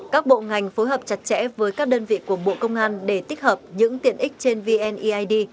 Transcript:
các bộ ngành phối hợp chặt chẽ với các đơn vị của bộ công an để tích hợp những tiện ích trên vneid